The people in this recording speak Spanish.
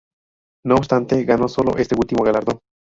No obstante, ganó sólo este último galardón.